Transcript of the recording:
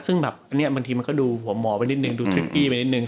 ซึ่งบางทีมันก็ดูหัวหมอไปนิดนึงดูทริปปี้ไปนิดนึง